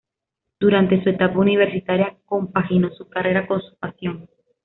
Durante su etapa universitaria compaginó su carrera con su pasión.